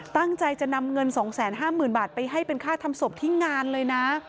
ตั้งใจจะนำเงิน๒๕๐๐๐บาทไปให้เป็นค่าทำศพที่งานเลยนะ